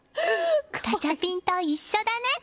ガチャピンと一緒だね！